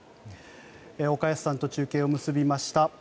岡安さんと中継を結びました。